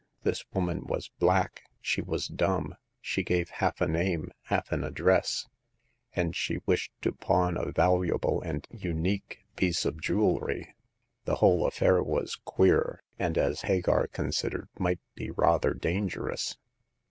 This woman was black, she was dumb, she gave half a name, half an address, and she wished to pawn a valu able and unique piece of jewelry. The whole affair was queer, and, as Hagar considered, might be rather dangerous.